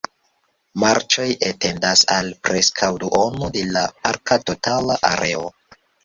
Marĉoj etendas al preskaŭ duono de la parka totala areo.